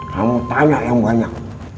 kamu tanya yang banyak